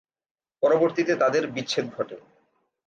পরবর্তীতে তাদের বিচ্ছেদ ঘটে।